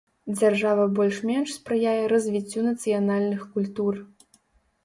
Дзяржава больш-менш спрыяе развіццю нацыянальных культур.